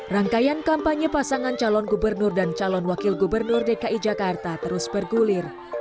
rangkaian kampanye pasangan calon gubernur dan calon wakil gubernur dki jakarta terus bergulir